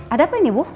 ada apa ini bu